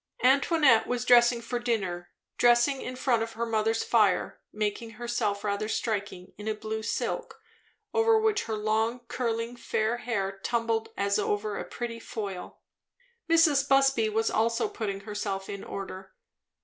Antoinette was dressing for dinner; dressing in front of her mother's fire; making herself rather striking in a blue silk, over which her long curling fair hair tumbled as over a pretty foil. Mrs. Busby also was putting herself in order.